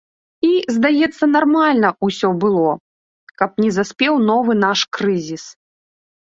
І, здаецца, нармальна ўсё было, каб не заспеў новы наш крызіс.